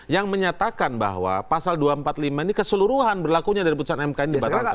yang menyatakan bahwa pasal dua ratus empat puluh lima ini keseluruhan berlakunya dari putusan mk ini dibatalkan